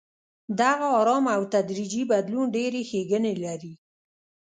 دغه ارام او تدریجي بدلون ډېرې ښېګڼې لري.